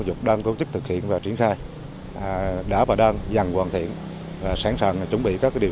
dục đơn công chức thực hiện và triển khai đã và đang dần hoàn thiện và sẵn sàng chuẩn bị các điều